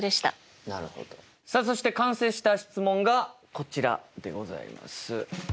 さあそして完成した質問がこちらでございます。